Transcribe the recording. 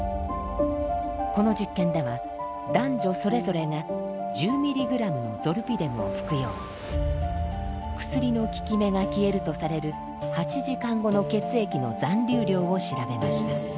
この実験では男女それぞれが１０ｍｇのゾルピデムを服用薬の効き目が消えるとされる８時間後の血液の残留量を調べました。